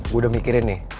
gue udah mikirin nih